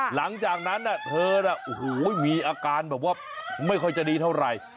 หลังจากนั้นเธอน่ะโอ้โหมีอาการแบบว่าไม่ค่อยจะดีเท่าไหร่